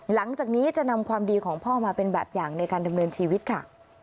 หลังจากนี้จะนำความดีของพ่อมาเป็นแบบอย่างในการดำเนินชีวิตค่ะ